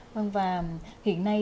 vâng và hiện nay